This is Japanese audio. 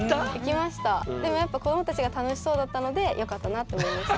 でもやっぱ子どもたちが楽しそうだったのでよかったなって思いました。